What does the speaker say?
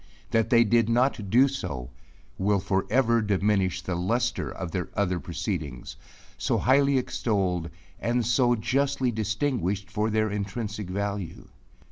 That they did not do so, will for ever diminish the luster of their other proceedings, so highly extolled, and so justly distinguished for their intrinsic value.